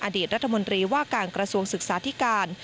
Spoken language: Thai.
อดีตรัฐมนตรีว่าการกระทรวงศึกษาธิการ